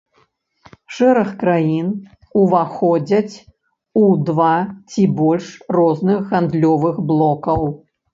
Шэраг краін уваходзяць у два ці больш розных гандлёвых блокаў.